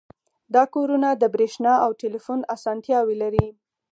دا کورونه د بریښنا او ټیلیفون اسانتیاوې لري